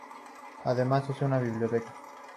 Además una biblioteca.